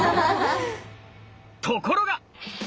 ところが！